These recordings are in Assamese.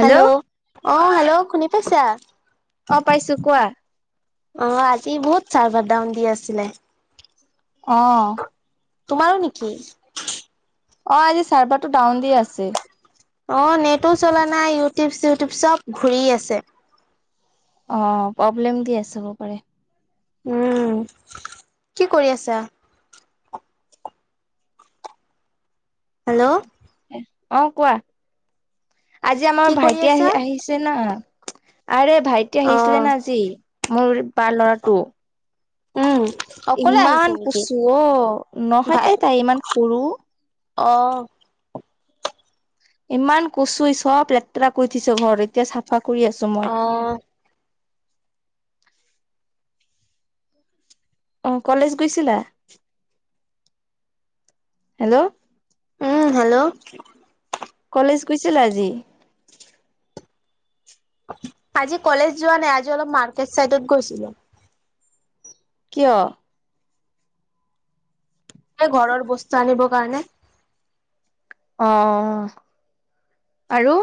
হেল্ল' অ, হেল্ল' শুনি পাইছা? অ পাইছো কোৱা। অ', আজি বহুত চাৰ্ভাৰ দউন দি আছিলে। অ', তোমাৰো নেকি? অ', আজি চাৰ্ভাৰটো ডাউন দি আছে। অ' নেটো চলা নাই ইউটিউব চিউটিউব চব ঘূৰি আছে। অ', প্ৰব্লেম দি আছে হ'ব পাৰে। উম, কি কৰি আছা? হেল্ল' অ' কোৱা আজি আমাৰ কি কৰি ভাইটি আছা আহি আহিছে না। আৰে ভাইটি অ আহিছিলে না আজি মোৰ বাৰ ল'ৰাটো। উম, অকলে ইমান আহিছে নেকি কচো অ, নহয় ভাই তাই তাই ইমান সৰু। অ', ইমান কচু ই চব লেতেৰা কৰি থৈছে ঘৰ এতিয়া চাফা কৰি আছোঁ মই। অ অ' কলেজ গৈছিলা হেল্ল'। উম, হেল্ল' কলেজ গৈছিলা আজি? আজি কলেজ যোৱা নাই আজি অলপ মাৰ্কেট চাইডত গৈছিলোঁ। কিয়? এই ঘৰৰ বস্তু আনিব কাৰণে। অ', আৰু?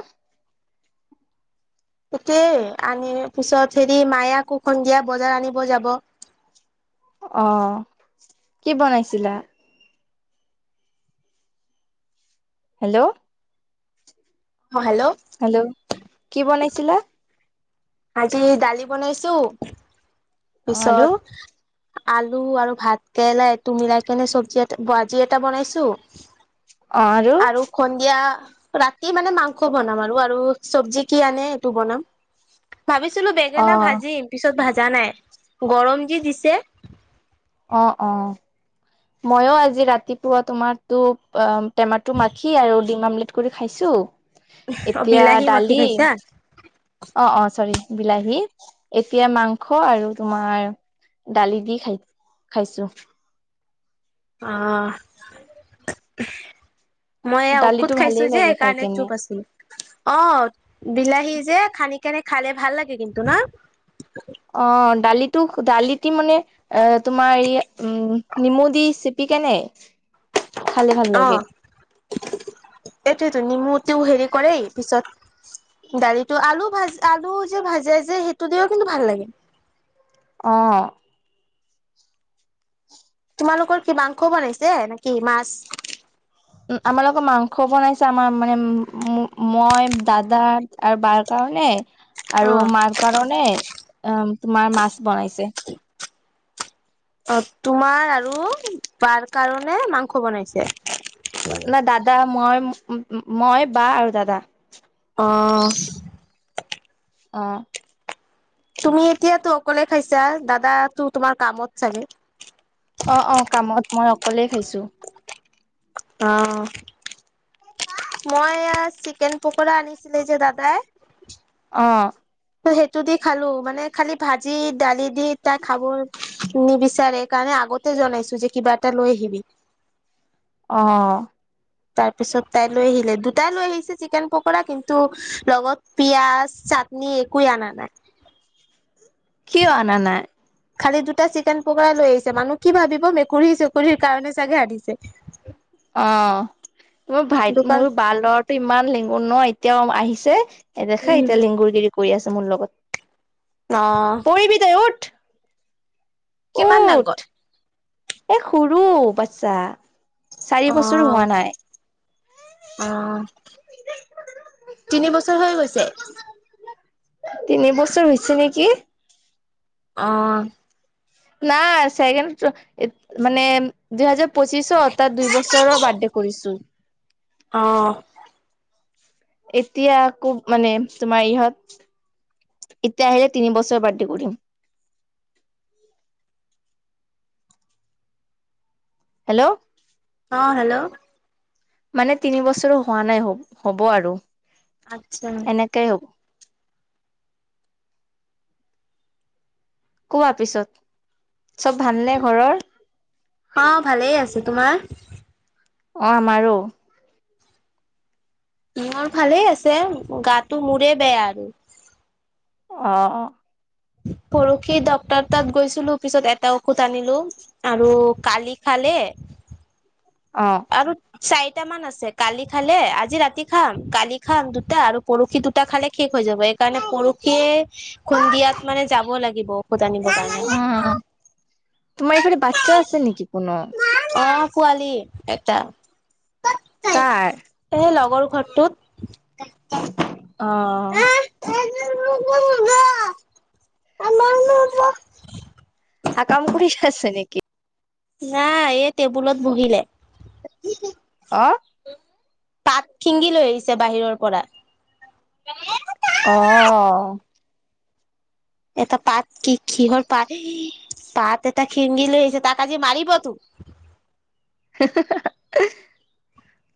তাকেই আনি পিছত হেৰি মায় আকৌ সন্ধিয়া বজাৰ আনিব যাব। [inaudible] অ', কি বনাইছিলা? হেল্ল' অ', হেল্ল' হেল্ল' কি বনাইছিলা? আজি দালি বনাইছোঁ। অ আৰু ওচৰত আলু আৰু ভাত কেৰেলা তু মিলাই কেনে চব্জি এটা ভাজি এটা বনাইছো আৰু সন্ধিয়া ৰাতি মানে মাংস বনাম আৰু আৰু চব্জি কি আনে সেইটো বনাম। ভাবিছিলোঁ অ বেঙেনা ভাজিম পিছত ভাজা নাই গৰম যি দিছে। অ', অ', ময়ো আজি ৰাতিপুৱা তোমাৰতো অ, টেমাটো মাখি আৰু ডিম আমলেট কৰি খাইছো। অ এতিয়া বিলাহী মাখি দালি খাইছা অ', অ', চৰি। বিলাহী, এতিয়া মাংস আৰু তোমাৰ দালি দি খাই খাইছোঁ। আহ মই এ ঔষধ দালিটো খাইছো ভালেই যে লাগে খাই সেইকাৰণে কেনে চুপ আছিলো। অ', বিলাহী যে খানি কেনে খালে ভাল লাগে কিন্তু ন? অ', দালিটো দালিতি মানে এ তোমাৰ এই উম, নিমু দি চিপি কেনে খালে ভাল লাগে অ', এইটোৱেতো নিমুটো হেৰি কৰেই পিছত দালিটো আলু ভাজ আলু যে ভাজে যে সেইটো দিয়ো কিন্তু ভাল লাগে। অ', তোমালোকৰ কি মাংস বনাইছে নেকি মাছ? উম, আমাৰ লকৰ মাংস বনাইছে আমাৰ মানে উম, মই দাদা আৰু বাৰকা ণে আৰু অ', মাৰ কাৰণে উম, তোমাৰ মাছ বনাইছে। অ', তোমাৰ আৰু বাৰ কাৰনে মাংস বনাইছে। নাই দাদা মই মই বা আৰু দাদা। অ', অ', তুমি এতিয়াতো অকলে খাইছা দাদাটো তোমাৰ কামত চাগে? অ', অ', কামত মই অকলে খাইছো। অ', মই চিকেন পকৰা আনিছিলে যে দাদাই অ', সেইটো দি খালো মানে খালি ভাজি দালি দি তাই খাব নিবিচাৰে কাৰণে আগতে জনাইছো যে কিবা এটা লৈ আহিবি। অ', তাৰ পিছত তাই লৈ আহিলে দুটাই লৈ আহি চিকেন পকৰা কিন্তু লগত পিয়াজ চাটনি একোৱে আনা নাই। [inaudible] কিয় অনা নাই? খালি দুটা চিকেন পকৰা লৈ আহিছে মানুহ কি ভাবিব মেকুৰী চেকুৰীৰ কাৰণে চাগে আনিছে। অ', ম মোৰ ভাইট দোকান মোৰ বাৰ লৰাটো ইমান লেং ন এতিয়াও আহিছে এ দেখা উম এতিয়া লিংগুৰ গিৰি কৰি আছে মোৰ লগত। অ পঢ়িবি তই উঠ। কিমান উঠ ডাঙৰ? এ সৰু বাচ্ছা চাৰি অ বছৰ হোৱা নাই। অ', তিনি বছৰ হৈ গৈছে? তিনি বছৰ হৈছে নেকি? অ', না চেগেন ত' মানে দুহেজাৰ পঁচিশৰ তাৰ দুই বছৰৰ বাৰ্থডে কৰিছোঁ। অ এতিয়া আকৌ মানে তোমাৰ ইহঁত এতিয়া আহিলে তিনি বছৰ বাৰ্থডে কৰিম। [inaudible] হেল্ল' অ', হেল্ল' মানে তিনি বছৰো হোৱা নাই হ হব আৰু। আচ্ছা। এনেকেই হ'ব কোৱা পিছত চব ভালনে ঘৰৰ? অ ভালেই আছে তোমাৰ অ', আমাৰো। ইিহৰ ভালেই আছে গাটো মোৰে বেয়া আৰু। অ', [inaudible] পৰশি ডকটৰ তাত গৈছিলো পিছত এটা ঔষুধ আনিলো আৰু কালি খালে [inaudible] অ আৰু চাৰিটা মান আছে কালি খালে আজি ৰাতি খাম কালি খাম দুটা আৰু পৰহি দুটা খালে শেষ হৈ যাব এইকাৰণে পৰখিয়ে খুন্দিয়াত মানে যাব লাগিব ঔষধ আনিব অ', অ', তোমাৰ এইফালে বাচ্ছা আছে নেকি? কোনো অ', পোৱালি এটা কাৰ সেই লগৰ ঘৰটোত অ', [unintelligible] আকাম কৰি আছে নেকি? নাই এই টেবুলত বহিলে। অ, পাত শিঙি লৈ আহিছে বাহিৰৰ পৰা। অ', এটা পাত কি কিহৰ পাত? পাত এটা খিংগি লৈ আহিছে তাক আজি মাৰিব তো।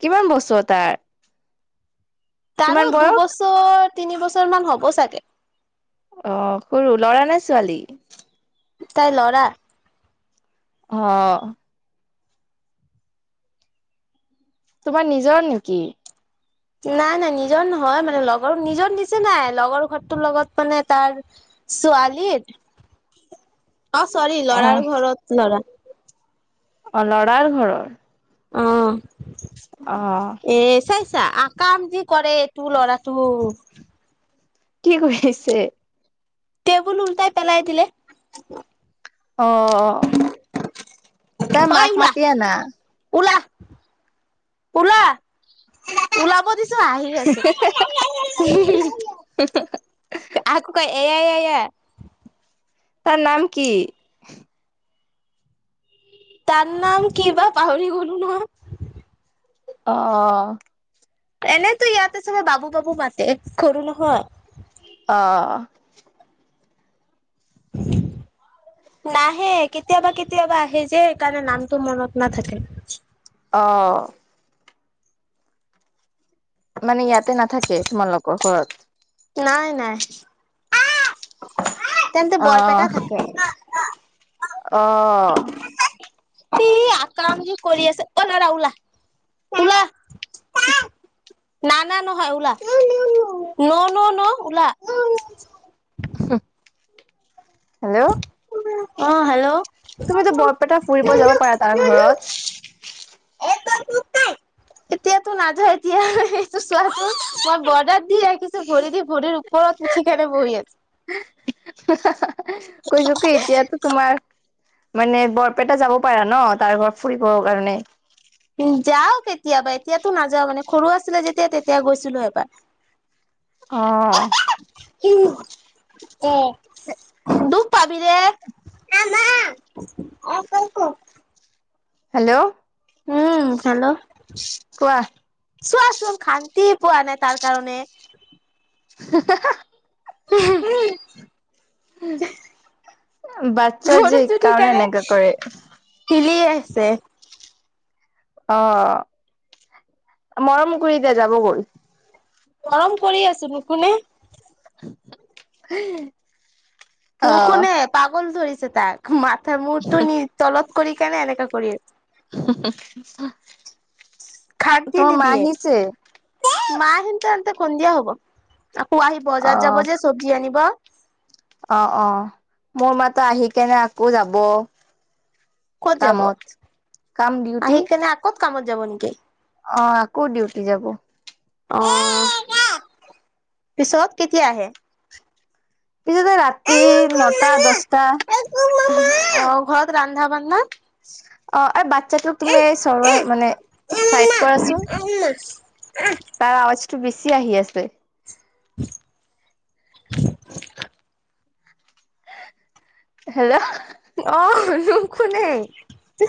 কিমান বছৰ তাৰ? তাৰো কিমান বয়স দুবছৰ তিনি বছৰ মান হ'ব চাগে। অ', সৰু লৰা নে ছোৱালী? তাই ল'ৰা। অ', তোমাৰ নিজৰ নেকি? নাই নাই নিজৰ নহয় মানে লগৰ নিজৰ নিছিনাই লগৰ ঘৰটোৰ লগত মানে তাৰ ছোৱালীৰ অ', চৰি লৰাৰ ঘৰত ল'ৰা। অ', লৰাৰ ঘৰৰ। অ', অ', আ, কাম যি কৰে তোৰ ল'ৰাটো। কি কৰিছে? টেবুল উল্টাই পেলাই দিলে। অ', তাই মাক মাতি আনা। উলা। উলাব দিছো হাঁহি আছে। আকৌ ক এয়াই এয়া এয়া। তাৰ নাম কি? তাৰ নাম কিবা পাহৰি গলো নহয়। অ', এনেইতো ইয়াতে চবে বাবু বাবু মাতে সৰো নহয়। অ', [inaudible] নাহে কেতিয়াবা কেতিয়াবা আহে যে সেইকাৰণে নামটো মনত নাথাকে। অ', মানে ইয়াতে নাথাকে তোমালোকৰ ঘৰত? নাই নাই তেন্তে অ বৰপেটা থাকে। অ', সি আকাম যি কৰি আছে অ, ল'ৰা উলা উলা। [inaudible] না না নহয় ওলা ন, ন, ন, উলা। হেল্ল' অ', হেল্ল' তুমিতো বৰপেটা ফুৰিব যাব পাৰা তাৰ ঘৰত। [unintelligible] নাযায় এতিয়া এইটো চোৱাচোন মই বৰ্ডাত দি ৰাখিছো ভৰি দি ভৰিৰ ওপৰত উঠি [unintelligible] বহি আছে। কৈছো কি এতিয়াটো তোমাৰ মানে বৰপেটা যাব পাৰা ন' তাৰ ঘৰত ফুৰিবৰ কাৰণে। যাও কেতিয়াবা এতিয়াতো নাযাওঁ মানে খৰু আছিলে যেতিয়া তেতিয়া গৈছিলো এবাৰ। অ', অ', দুব পাবি ৰে। অ', ক' ক' হেল্ল' উম, হেল্ল' কোৱা চোৱা চোৱা খান [unintelligible] পোৱা নাই তাৰ কাৰণে। [unintelligible] উহুম, বাচ্ছা যে ভৰিত উঠি কাৰণে কেনে এনেকা কৰে। হিলি আছে অ', মৰম কৰি দিয়া যাব গই। মৰম কৰি আছো নোখোনে। [inaudible] অ নুশুনে পাগল ধৰিছে তাক মাথ মূৰটো নি তলত কৰি কেনে এনেকা কৰি আছে। খাক দি তোমাৰ মা নিদিয়ে আহিছে মা আহোঁতে আহোঁতে খন্দিয়া হব, আকৌ আহি অ বজাৰ যাব যে চব্জি আনিব। অ', অ', মোৰ মাতো আহি কেনে আকৌ যাব। ক'ত যাব কামত কাম ডিউটি আহি কেনে আ কত কামত যাব নেকি? অ', আকৌ ডিউটি যাব। অ', পিছত কেতিয়া আহে? পিছতে ৰাতি নটা দশটা। অ' ঘৰত ৰন্ধা বানধা? অ', আৰু বাকী সেইটো তুমি চৰোৱা মানে, চাইড কৰাচোন তাৰ আৱাজ বেছি আহি আছে। [inaudible] হেল্ল' অ', নুশুনে। [inaudible]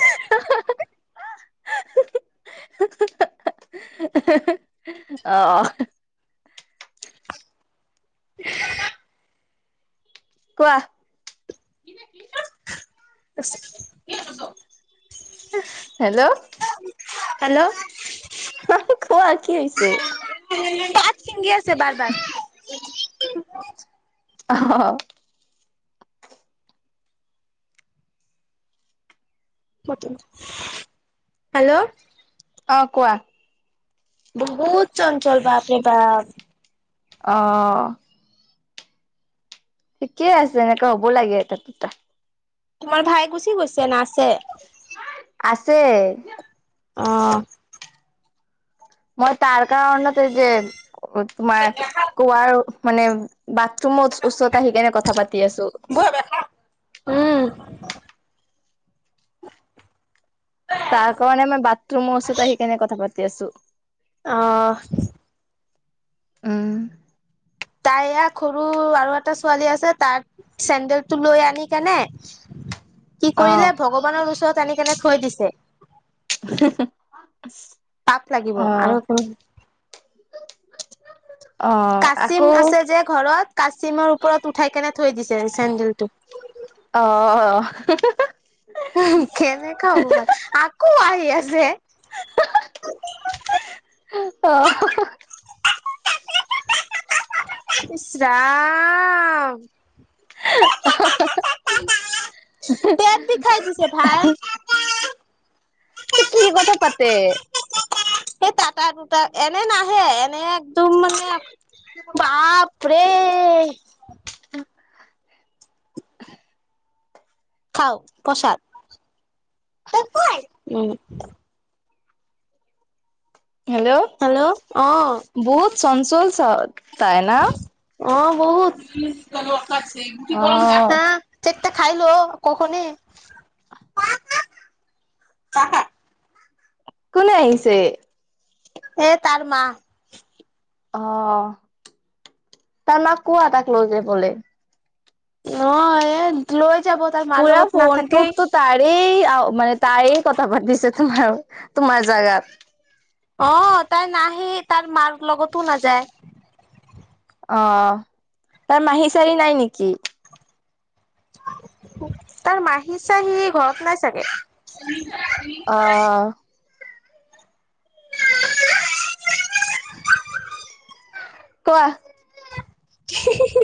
অ', অ', [inaudible] কোৱা। [inaudible] হেল্ল' হেল্ল' খোৱা কি হৈছে? পাত শিংগি আছে বাৰ বাৰ। অ', হেল্ল' অ', কোৱা। বহুত চঞ্চল বাপৰে বাপ। অ', ঠিকে আছে এনেকে হ'ব লাগে এতে দুটা। তোমাৰ ভাই গুচি গৈছে না আছে? আছে অ', মই তাৰ কাৰণতে এইটো তোমাৰ কুৱাৰ মানে বাথৰুমত ওচৰত আহি কিনে কথা পাতি আছোঁ। উম, তাৰ কাৰণে মই বাথৰুমৰ ওচৰত আহি কেনে কথা পাতি আছোঁ। অ', উম, তাই য়াক সৰু আৰু এটা ছোৱালী আছে তাত চেণ্ডেলটো লৈ আনি কেনে কি অ কৰিলে ভগৱানৰ ওচৰত আনি কেনে থৈ দিছে। হুম, হুম, পাপ লাগিব আৰু কোনো অ কাচিম আকৌ আছে যে ঘৰত কাচিমৰ ওপৰত উঠাই কেনে থৈ দিছে চেন্দেলটো। [inaudible] অ', অ', কেনেকা হ'ব পাৰে আকৌ আহি আছে। [inaudible] অ', ইছ ৰাম। [inaudible] পেট বিষাই দিছে ভাই [inaudible] ত' কি কথা পাতে? সেই টাটা টা এনে নাহে এনে ত' মানে বাপৰে। [inaudible] খাওঁ প্ৰসাদ [unintelligible] উম, হেল্ল' বহুত চঞ্চল চ তাই ন? অ', বহুত। অ খাইলো কখনে কোন আহিছে? এ তাৰ মা। অ', তাৰ মাক কোৱা তাক লৈ যাবলে। অ', এ লৈ যাব তাৰ মাৰ পুৰা লগত নাথাকেই ফোনটোততো তাৰেই মানে তাৰেই কথা পাতিছে। তোমাৰ তোমাৰ জাগাত। অ', তাই নাহে তাৰ মাৰ লগতো নাযায়। অ', তাৰ মাহী চাহী নাই নেকি? তাৰ মাহী চাহী ঘৰত নাই চাগে। অ', [inaudible] কোৱা। [unintelligible]